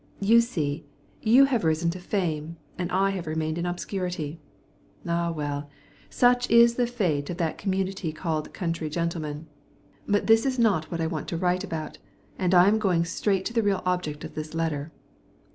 You see, you have risen to fame, and I have remained in obscurity. Ah well, such is the fate of that community called 'country gentlemen.' But this is not what I want to write about, and I am going straight to the real object of this letter.